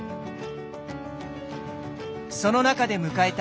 その中で迎えた